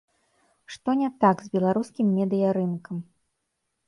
Што не так з беларускім медыярынкам?